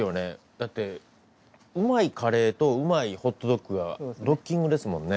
だってうまいカレーとうまいホットドッグがドッキングですもんね。